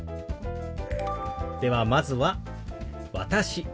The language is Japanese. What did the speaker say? ではまずは「私」。